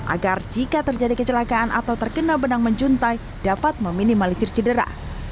agar jika terjadi kecelakaan atau terkena benang menjuntai dapat meminimalisir cedera